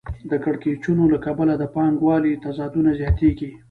د کړکېچونو له کبله د پانګوالۍ تضادونه زیاتېږي